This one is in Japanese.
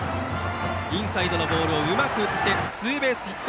インサイドのボールをうまく打ってツーベースヒット。